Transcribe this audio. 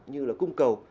như là cung cầu